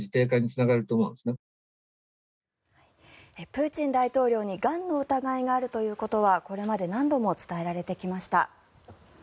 プーチン大統領にがんの疑いがあるということはこれまで何度も伝えられてきました。